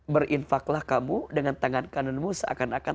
berinfaklah kamu dengan tangan kananmu seakan akan